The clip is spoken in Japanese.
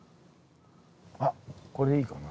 あっこれいいかもな。